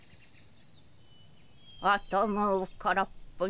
頭を空っぽに。